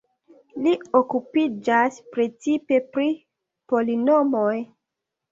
Li okupiĝas precipe pri polinomoj.